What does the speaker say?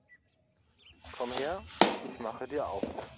Komm her, ich mache dir auf!